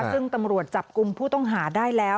ซึ่งตำรวจจับกลุ่มผู้ต้องหาได้แล้ว